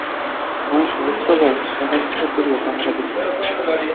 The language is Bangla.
বনের সহস্র গাছ শাখা বিস্তার করিয়া পাহারা দিতেছে।